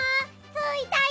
ついたよ！